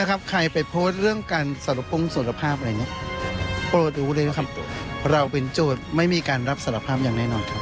ใครไปโพสต์เรื่องการสารพงศ์สารภาพเราเป็นจุดไม่มีการรับสารภาพอย่างแน่นอน